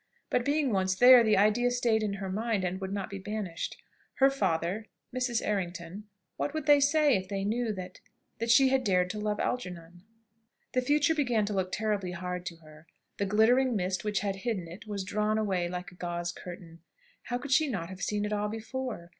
But being once there, the idea stayed in her mind and would not be banished. Her father Mrs. Errington what would they say if they knew that that she had dared to love Algernon? The future began to look terribly hard to her. The glittering mist which had hidden it was drawn away like a gauze curtain. How could she not have seen it all before?